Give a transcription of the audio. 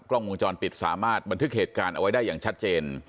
กล้องวงจรปิดสามารถบันทึกเหตุการณ์เอาไว้ได้อย่างชัดเจน